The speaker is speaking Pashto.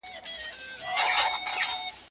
مسواک وهل د بدن د ټولیزې انرژۍ د زیاتوالي سبب ګرځي.